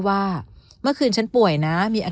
ว่าเมื่อคืนฉันป่วยนะมีอาการ